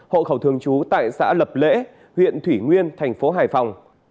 hộ khẩu thường trú tại xã lập lễ huyện thủy nguyên thành phố hải phòng